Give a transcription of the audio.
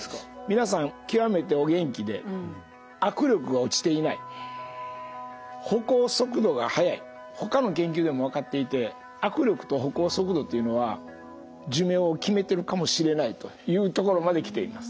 皆さん極めてお元気でほかの研究でも分かっていて握力と歩行速度というのは寿命を決めてるかもしれないというところまできています。